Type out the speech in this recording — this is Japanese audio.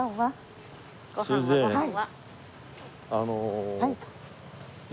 はい。